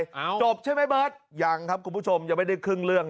ตายจนไม่บัดยังครับมุดชมจะไม่ได้ครึ่งเรื่อง